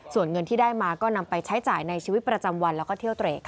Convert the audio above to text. ส่วนเงินที่ได้มาก็นำไปใช้จ่ายในชีวิตประจำวันแล้วก็เที่ยวเตรก